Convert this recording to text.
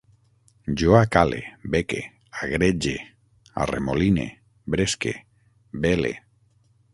Jo acale, beque, agrege, arremoline, bresque, bele